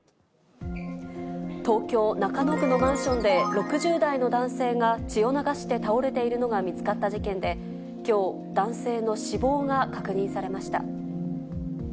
東京・中野区のマンションで６０代の男性が血を流して倒れているのが見つかった事件で、きょう、男性の死亡が確認されました。